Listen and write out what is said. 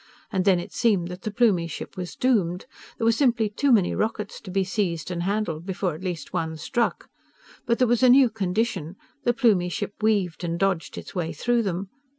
And then it seemed that the Plumie ship was doomed. There were simply too many rockets to be seized and handled before at least one struck. But there was a new condition. The Plumie ship weaved and dodged its way through them.